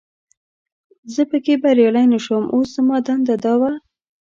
چې زه پکې بریالی نه شوم، اوس زما دنده دا وه.